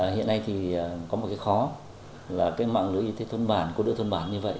hiện nay thì có một cái khó là cái mạng lưỡi y tế thuân bản cô đỡ thuân bản như vậy